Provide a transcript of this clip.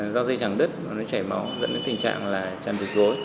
do dây trăng đứt nó chảy máu dẫn đến tình trạng là tràn dịch gối